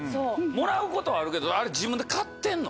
もらうことあるけどあれ自分で買ってんの？